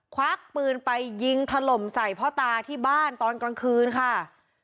ควักปืนไปยิงถล่มใส่พ่อตาที่บ้านตอนกลางคืนค่ะ